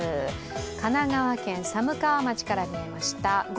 神奈川県寒川町から見えました